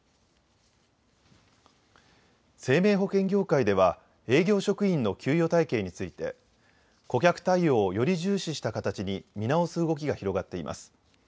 生命保険業界では営業職員の給与体系について顧客対応をより重視した形に見直す動きが広がっています。